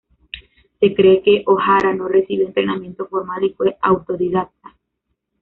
Se cree que O'Hara no recibió entrenamiento formal y fue autodidacta.